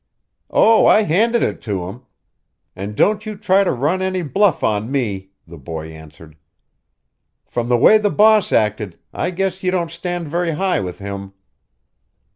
"Oh, I handed it to him and don't you try to run any bluff on me!" the boy answered. "From the way the boss acted, I guess you don't stand very high with him!"